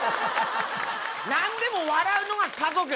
何でも笑うのが家族。